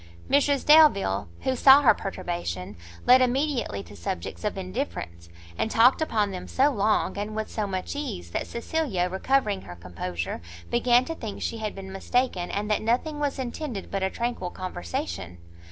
Mrs Delvile, who saw her perturbation, led immediately to subjects of indifference, and talked upon them so long, and with so much ease, that Cecilia, recovering her composure, began to think she had been mistaken, and that nothing was intended but a tranquil conversation.